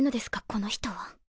この人は。